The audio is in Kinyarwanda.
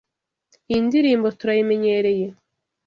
Iyi ndirimbo turayimenyereye.